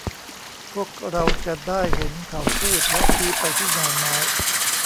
พวกเราจะได้เห็นเขาพูดและชี้ไปที่งานไม้